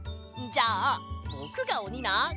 じゃあぼくがおにな！